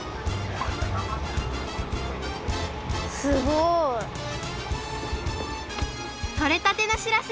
すごい！とれたてのしらす！